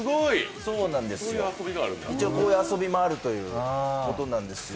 一応こういう遊びもあるということなんですけど。